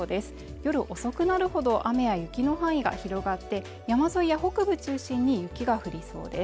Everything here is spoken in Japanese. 夜遅くなるほど雨や雪の範囲が広がって山沿いや北部中心に雪が降りそうです